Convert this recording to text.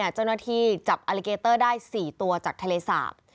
เจ้าหน้าที่จับอลิเกเตอร์ได้๔ตัวจากทะเลสาป